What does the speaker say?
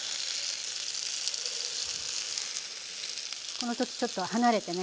この時ちょっと離れてね。